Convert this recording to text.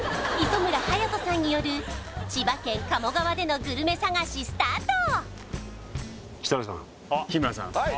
磯村勇斗さんによる千葉県鴨川でのグルメ探しスタート！